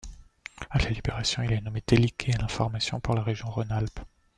À la Libération, il est nommé Délégué à l'information pour la région Rhône-Alpes.